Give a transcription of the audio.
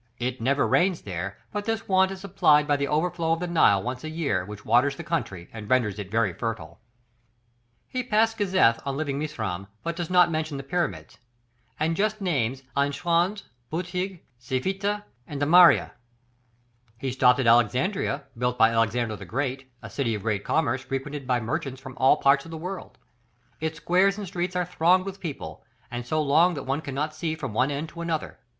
It never rains there, but this want is supplied by the overflow of the Nile once a year, which waters the country and renders it very fertile. [Illustration: Benjamin of Tudela in the Desert of Sahara.] He passed Gizeh on leaving Misraim but does not mention the pyramids, and just names Ain Schams, Boutig, Zefita, and Damira; he stopped at Alexandria, built by Alexander the Great, a city of great commerce, frequented by merchants from all parts of the world. Its squares and streets are thronged with people, and so long that one cannot see from one end to another.